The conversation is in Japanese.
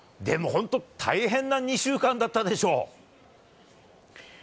でも、大変な２週間だったでしょう？